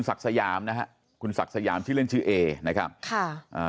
สยามนะฮะคุณศักดิ์สยามชื่อเล่นชื่อเอนะครับค่ะอ่า